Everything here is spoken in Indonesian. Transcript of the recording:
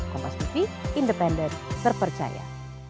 kompas tv independen terpercaya